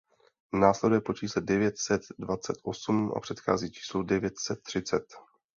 Následuje po čísle devět set dvacet osm a předchází číslu devět set třicet.